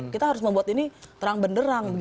kita harus membuat ini terang benderang